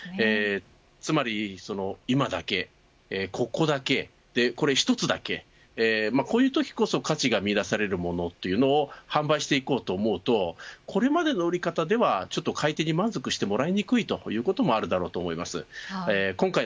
つまり、今だけここだけ１つだけこういうときこそ価値が見いだされるというものを販売していこうと思うとこれまでの売り方では買い手に満足してもらいにくいということもあると思います。